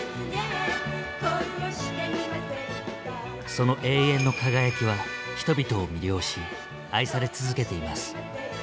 その永遠の輝きは人々を魅了し愛され続けています。